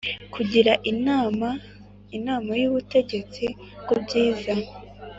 kugira inama inama y ubutegetsi ku byiza